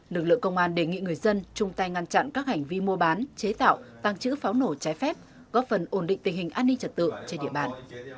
lực lượng công an đề nghị người dân chung tay ngăn chặn các hành vi mua bán chế tạo tăng trữ pháo nổ trái phép góp phần ổn định tình hình an ninh trật tự trên địa bàn